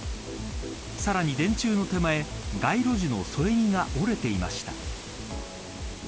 さらに電柱の手前街路樹の添え木が折れていました。